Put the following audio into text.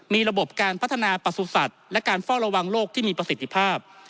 มีระบบการพัฒนาประสุทธิ์และการเฝ้าระวังโรคที่มีประสิทธิภาพ